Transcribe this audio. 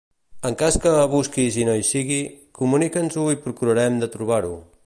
En cas que busquis i no hi sigui, comunica'ns-ho i procurarem de trobar-ho.